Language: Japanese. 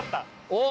おっ。